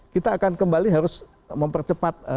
kita akan kembali harus mempercepat